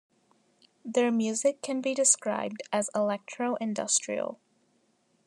Their music can be described as electro-industrial.